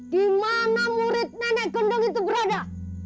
di mana murid nenek gondong itu berada